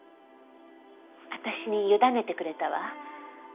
私に委ねてくれたわ。